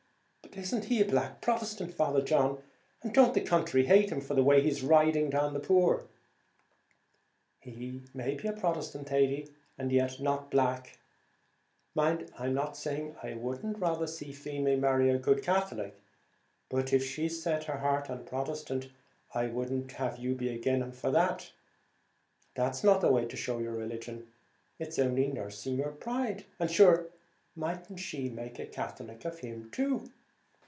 "But isn't he a black Protestant, Father John; and don't the country hate him for the way he's riding down the poor?" "He may be Protestant, Thady, and yet not 'black.' Mind, I'm not saying I wouldn't rather see Feemy marry a good Catholic; but if she's set her heart on a Protestant, I wouldn't have you be against him for that: that's not the way to show your religion; it's only nursing your pride; and sure, mightn't she make a Catholic of him too?"